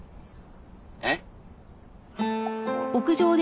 えっ？